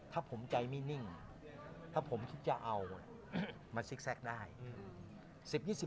ถ้าผมใจไม่นิ่งถ้าผมคิดจะเอามาซิกแทรกได้